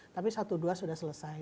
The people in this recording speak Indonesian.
tapi satu dua sudah selesai